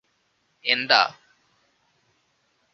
എന്താ